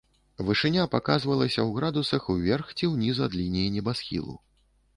Вышыня паказвалася ў градусах уверх ці ўніз ад лініі небасхілу.